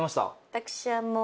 私はもう。